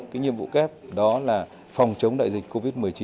cái nhiệm vụ kép đó là phòng chống đại dịch covid một mươi chín